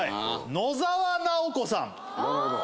「野沢直子さん」